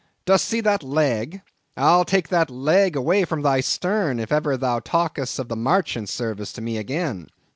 Dost see that leg?—I'll take that leg away from thy stern, if ever thou talkest of the marchant service to me again.